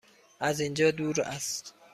از اینجا دور است؟